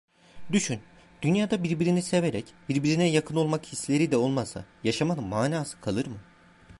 Düşün, dünyada birbirini severek, birbirine yakın olmak hisleri de olmasa yaşamanın manası kalır mı?